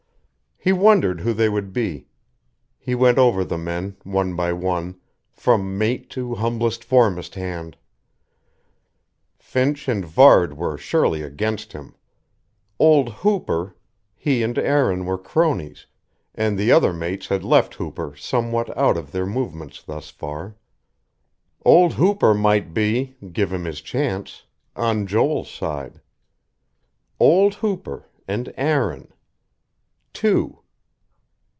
He wondered who they would be; he went over the men, one by one, from mate to humblest foremast hand. Finch and Varde were surely against him. Old Hooper he and Aaron were cronies, and the other mates had left Hooper somewhat out of their movements thus far. Old Hooper might be, give him his chance, on Joel's side.... Old Hooper, and Aaron. Two.